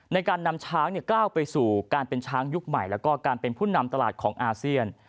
ในการนำช้างก้าวไปสู่การเป็นช้างยุคใหม่แล้วก็การเป็นผู้นำตลาดของอาเซียน